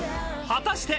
［果たして］